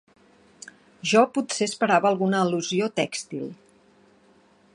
Jo potser esperava alguna al·lusió tèxtil.